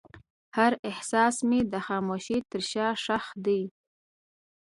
هر احساس مې د خاموشۍ تر شا ښخ دی.